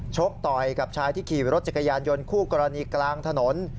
ชกต่อยกับชายที่ขี่รถจักรยานยนต์คู่กรณีกลางถนน